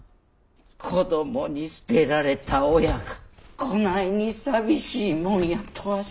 子供に捨てられた親がこないに寂しいもんやとは知らなんだ。